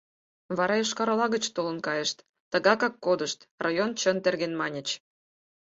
Вара Йошкар-Ола гыч толын кайышт — тыгакак кодышт, район чын терген, маньыч.